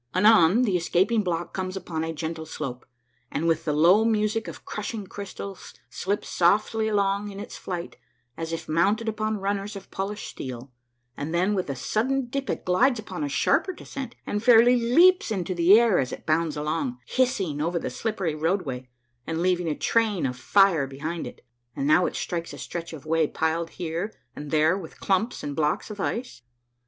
Anon the escaping block comes upon a gentle slope, and with the low music of crushing crystals slips softly along in its flight as if mounted upon runners of polished steel, and then with a sudden dip it glides upon a sharper descent and fairly leaps into the air as it bounds along, hissing over the slippery roadway, and leaving a train of fire behind it. And now it strikes a stretch of way piled here and there with clumps and blocks of ice.